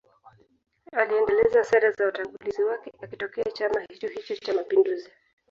Aliendeleza sera za watangulizi wake akitokea chama hichohicho cha mapinduzi